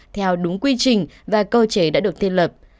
theo đúng quy trình và cơ chế đã được thiết lập